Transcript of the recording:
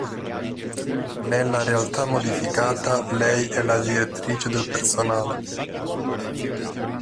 Nella realtà modificata lei è la direttrice del personale.